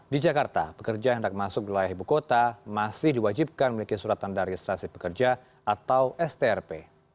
di jakarta pekerja yang hendak masuk wilayah ibu kota masih diwajibkan memiliki surat tanda registrasi pekerja atau strp